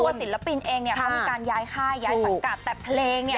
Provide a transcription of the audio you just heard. ศิลปินเองเนี่ยเขามีการย้ายค่ายย้ายสังกัดแต่เพลงเนี่ย